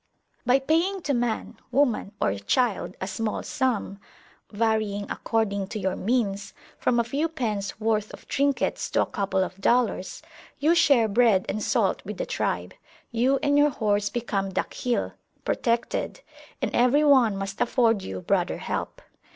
By paying to man, woman, or child, a small sum, varying, according to your means, from a few pence worth of trinkets to a couple of dollars, you share bread and salt with the tribe, you and your horse become Dakhil (protected), and every one must afford you brother help.